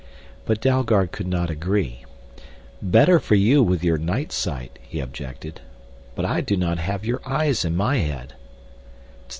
But Dalgard could not agree. "Better for you with your night sight," he objected, "but I do not have your eyes in my head."